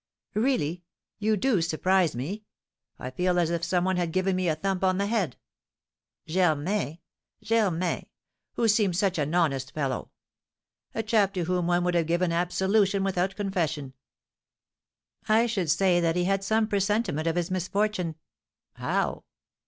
"Really, you do surprise me! I feel as if some one had given me a thump on the head. Germain Germain, who seemed such an honest fellow, a chap to whom one would have given absolution without confession." "I should say that he had some presentiment of his misfortune." "How?"